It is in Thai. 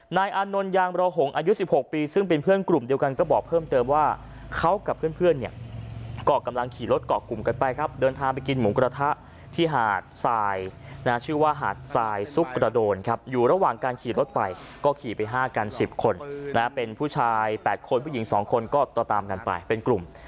นายอานนท์ยางรอหงอายุ๑๖ปีซึ่งเป็นเพื่อนกลุ่มเดียวกันก็บอกเพิ่มเติมว่าเขากับเพื่อนเนี่ยก็กำลังขี่รถเกาะกลุ่มกันไปครับเดินทางไปกินหมูกระทะที่หาดทรายนะชื่อว่าหาดทรายซุกกระโดนครับอยู่ระหว่างการขี่รถไปก็ขี่ไป๕กัน๑๐คนเป็นผู้ชาย๘คนผู้หญิง๒คนก็ต่อตามกันไปเป็นกลุ่ม